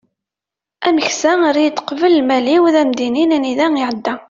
ameksa err-iyi-d qbel lmal-iw ad am-d-inin anida iεedda